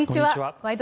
「ワイド！